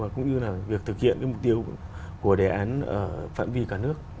cũng như là việc thực hiện cái mục tiêu của đề án phạm vi cả nước